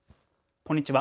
こんにちは。